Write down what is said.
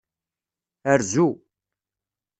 Rzu.